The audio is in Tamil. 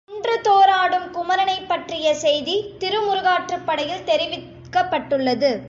குன்றுதோறாடும் குமரனைப் பற்றிய செய்தி திருமுரு காற்றுப்படையில் தெரிவிக்கப்பட்டுள்ளது.